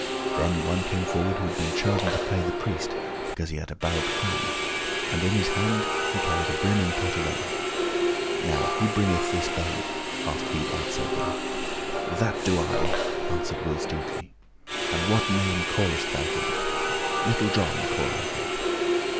Then one came forward who had been chosen to play the priest because he had a bald crown, and in his hand he carried a brimming pot of ale. "Now, who bringeth this babe?" asked he right soberly. "That do I," answered Will Stutely. "And what name callest thou him?" "Little John call I him."